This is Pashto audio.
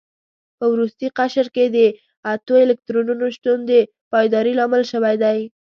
په وروستي قشر کې د اتو الکترونونو شتون د پایداري لامل شوی دی.